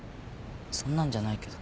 そんなんじゃないけど。